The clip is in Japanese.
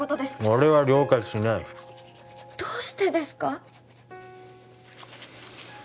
俺は了解しないどうしてですか？